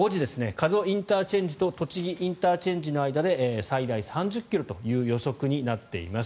加須ＩＣと栃木ＩＣの間で最大３０ｋｍという予測になっています。